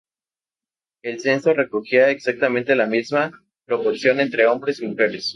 El censo recogía exactamente la misma proporción entre hombres y mujeres.